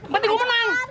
mending gue menang